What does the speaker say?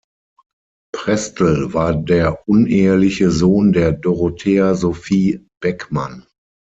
Prestel war der uneheliche Sohn der Dorothea Sophie Beckmann.